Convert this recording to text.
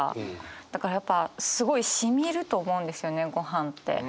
だからやっぱすごいしみると思うんですよねごはんって。